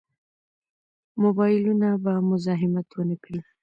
موبایلونه به مزاحمت ونه کړي.